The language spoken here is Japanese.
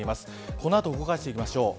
この後動かしていきましょう。